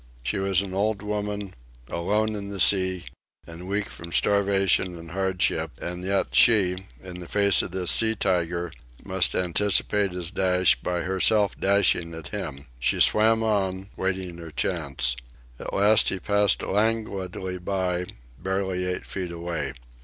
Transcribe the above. She was an old woman, alone in the sea and weak from starvation and hardship; and yet she, in the face of this sea tiger, must anticipate his dash by herself dashing at him. She swam on, waiting her chance. At last he passed languidly by, barely eight feet away.